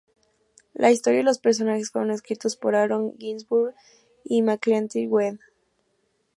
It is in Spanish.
La historia y los personajes fueron escritos por Aaron Ginsburg y McIntyre Wade.